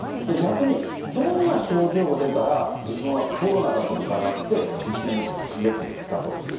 逆に、どんな症状が出たら、自分はコロナだと疑って受診すべきですかと。